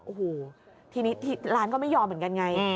โอ้โหทีนี้ร้านก็ไม่ยอมเหมือนกันไง